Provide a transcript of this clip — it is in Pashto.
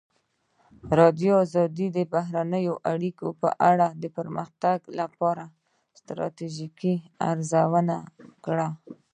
ازادي راډیو د بهرنۍ اړیکې په اړه د پرمختګ لپاره د ستراتیژۍ ارزونه کړې.